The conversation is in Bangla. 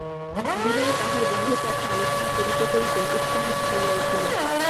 বিনয় তাহার বন্ধুর কথা আলোচনা করিতে করিতে উৎসাহিত হইয়া উঠিল।